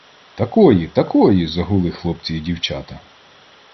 — Такої! Такої! — загули хлопці й дівчата.